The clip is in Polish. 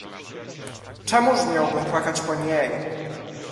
"Czemuż miałbym płakać po niej?"